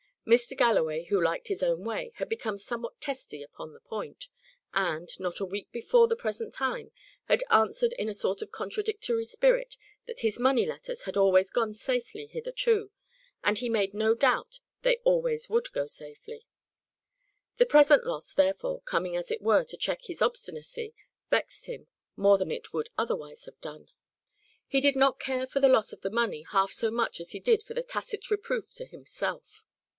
Mr. Galloway, who liked his own way, had become somewhat testy upon the point, and, not a week before the present time, had answered in a sort of contradictory spirit that his money letters had always gone safely hitherto, and he made no doubt they always would go safely. The present loss, therefore, coming as it were, to check his obstinacy, vexed him more than it would otherwise have done. He did not care for the loss of the money half so much as he did for the tacit reproof to himself.